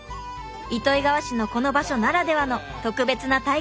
糸魚川市のこの場所ならではの特別な体験ができるんだそう。